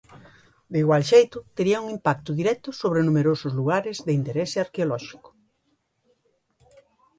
De igual xeito tería un impacto directo sobre numerosos lugares de interese arqueolóxico.